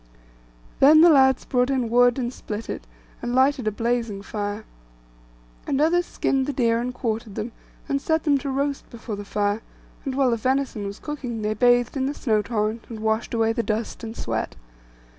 Then the lads brought in wood, and split it, and lighted a blazing fire; and others skinned the deer and quartered them, and set them to roast before the fire; and while the venison was cooking they bathed in the snow torrent, and washed away the dust and sweat.